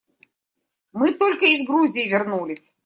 Мы только из Грузии вернулись.